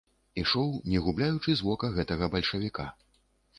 Ішоў, не губляючы з вока гэтага бальшавіка.